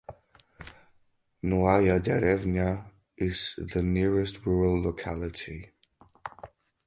Noaya Derevnya is the nearest rural locality.